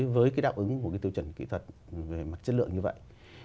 với cái đạo ứng của cái tiêu chuẩn kỹ thuật về mặt chất lượng như vậy